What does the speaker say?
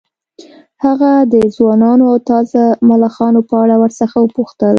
هغه د ځوانو او تازه ملخانو په اړه ورڅخه وپوښتل